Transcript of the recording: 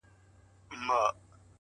له څه مودې ترخ يم خـــوابــــدې هغه.